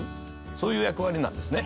そういう役割なんですね。